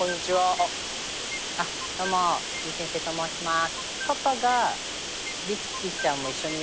あっどうもてぃ先生と申します。